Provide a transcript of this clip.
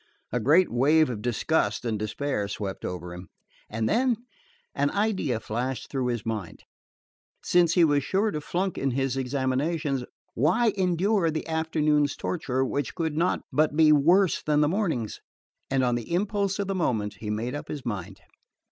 A great wave of disgust and despair swept over him, and then an idea flashed through his mind. Since he was sure to flunk in his examinations, why endure the afternoon's torture, which could not but be worse than the morning's? And on the impulse of the moment he made up his mind.